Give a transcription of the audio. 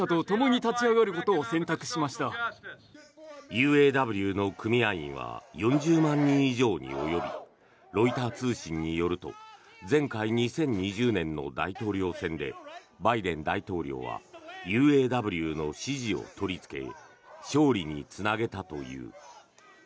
ＵＡＷの組合員は４０万人以上に及びロイター通信によると前回２０２０年の大統領選でバイデン大統領はＵＡＷの支持を取りつけ勝利につなげたという。